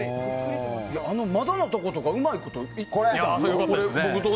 窓のところとかうまいこといってたね。